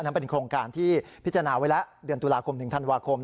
นั้นเป็นโครงการที่พิจารณาไว้แล้วเดือนตุลาคมถึงธันวาคม